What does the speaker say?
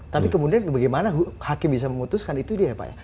tapi kemudian bagaimana hakim bisa memutuskan itu ya pak